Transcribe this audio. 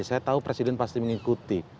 saya tahu presiden pasti mengikuti